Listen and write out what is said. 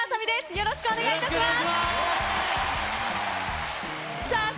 よろしくお願いします。